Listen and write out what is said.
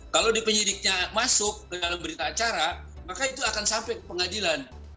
kalau di penyidiknya masuk dalam berita acara maka itu akan sampai ke pengadilan